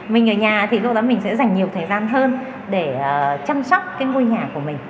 mình ở nhà thì lúc đó mình sẽ dành nhiều thời gian hơn để chăm sóc cái ngôi nhà của mình